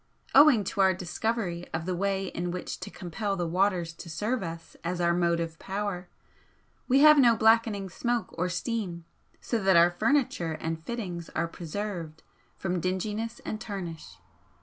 Owing to our discovery of the way in which to compel the waters to serve us as our motive power, we have no blackening smoke or steam, so that our furniture and fittings are preserved from dinginess and tarnish.